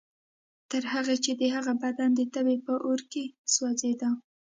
تر هغې چې د هغه بدن د تبې په اور کې سوځېده.